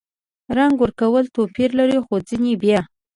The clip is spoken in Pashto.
رنګ ورکول توپیر لري – خو ځینې بیا